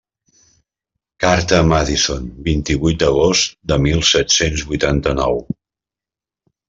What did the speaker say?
Carta a Madison, vint-i-vuit d'agost de mil set-cents vuitanta-nou.